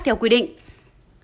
theo quy định